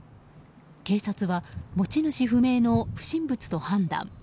警察は持ち主不明の不審物と判断。